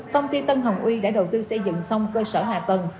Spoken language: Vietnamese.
công ty tân hồng uy đã đầu tư xây dựng xong cơ sở hạ tầng